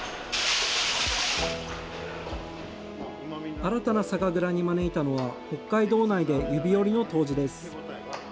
新たな酒蔵に招いたのは、北海道内で指折りの杜氏です。